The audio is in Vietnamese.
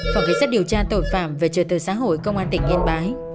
phòng kế sát điều tra tội phạm về trời tờ xã hội công an tỉnh yên bái